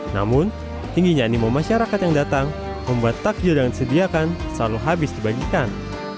namun tingginya animo masyarakat yang datang membuat takjil yang disediakan selalu habis dibagikan